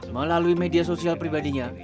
melalui media sosial pribadinya